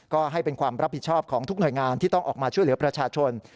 ก็ให้เป็นความรับผิดชอบของทุกหน่วยงานที่ต้องออกมาช่วยเหลือประชาชน